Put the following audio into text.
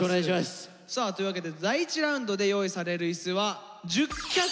さあというわけで第１ラウンドで用意されるイスは１０脚です。